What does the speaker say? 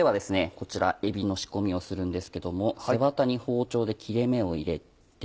こちらえびの仕込みをするんですけども背中に包丁で切れ目を入れて。